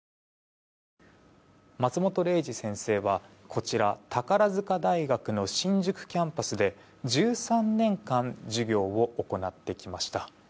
松本零士先生はこちら、宝塚大学の新宿キャンパスで１３年間授業を行ってきました。